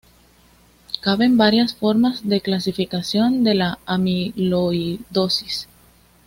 Caben varias formas de clasificación de la amiloidosis.